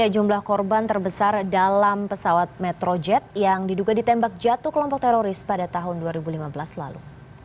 jumlah korban terbesar dalam pesawat metrojet yang diduga ditembak jatuh kelompok teroris pada tahun dua ribu lima belas lalu